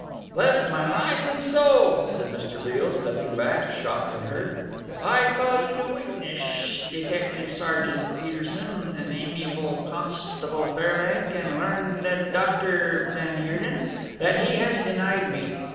"Bless my life and soul," said Mr. Beale, stepping back, shocked and hurt, "I call you to witnesh, Detective Sergeant Peterson and amiable Constable Fairbank and learned Dr. van Heerden, that he has denied me.